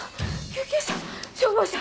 救急車？